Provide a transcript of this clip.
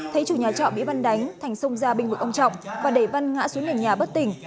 thấy chủ nhà trọ bị văn đánh thành xông ra bình ngực ông trọng và đẩy văn ngã xuống nền nhà bất tỉnh